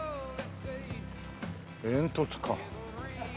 煙突か。